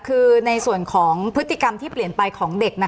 คือในส่วนของพฤติกรรมที่เปลี่ยนไปของเด็ก